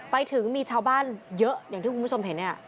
ไปถึงมีชาวบ้านเยอะอย่างที่คุณผู้ชมเห็นเนี่ย